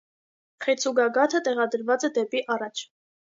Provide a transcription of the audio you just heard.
Խեցու գագաթը տեղադրված է դեպի առաջ։